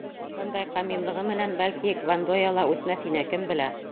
Бындай камиллығы менән, бәлки, Гвандоя ла үтмәҫ ине, кем белә...